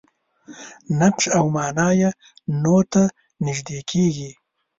نقش او معنا یې نو ته نژدې کېږي.